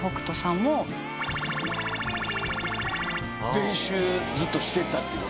練習ずっとしてたってこと？